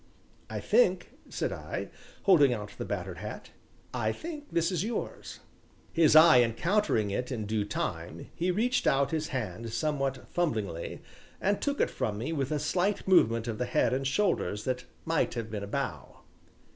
"I think," said I, holding out the battered hat, "I think this is yours?" His eye encountering it in due time, he reached out his hand somewhat fumblingly, and took it from me with a slight movement of the head and shoulders that might have been a bow.